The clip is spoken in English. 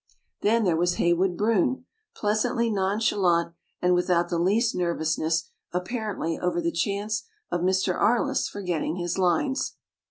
Then there was Heywood Broun, pleas antly nonchalant and without the least nervousness, apparently, over the chance of Mr. Arliss forgetting his lines.